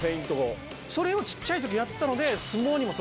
それを小っちゃい時やってたので。